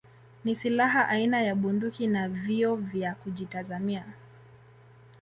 Ni silaha aina ya Bunduki na vioo vya kujitazamia